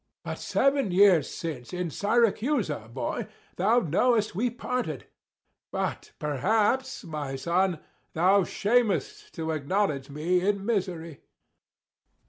_ But seven years since, in Syracusa, boy, Thou know'st we parted: but perhaps, my son, 320 Thou shamest to acknowledge me in misery.